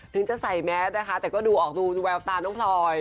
ถึงจะใส่แมสนะคะแต่ก็ดูออกดูแววตาน้องพลอย